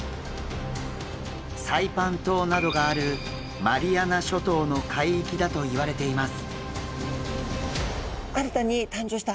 サイパン島などがあるマリアナ諸島の海域だといわれています。